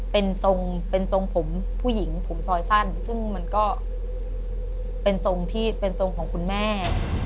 เป็นทรงผมผู้หญิงผมซอยสั้นซึ่งมันก็เป็นทรงของคุณแม่